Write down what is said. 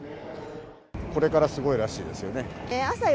これからすごいらしいですよ